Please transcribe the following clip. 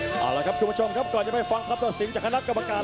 เอาละครับคุณผู้ชมครับก่อนจะไปฟังคำตัดสินจากคณะกรรมการ